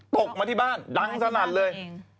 ตกมาที่บ้านดังสนั่นเลย